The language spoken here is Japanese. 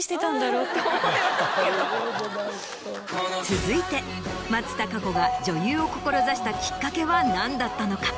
続いて松たか子が女優を志したきっかけは何だったのか？